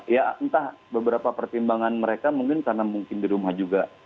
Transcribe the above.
ya entah beberapa pertimbangan mereka mungkin karena mungkin di rumah juga